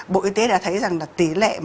bộ y tế đã thấy rằng là tỷ lệ